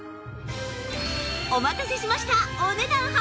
お待たせしました